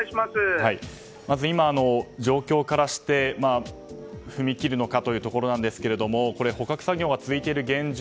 まず今、状況からして踏み切るのかというところですが捕獲作業が続いている現状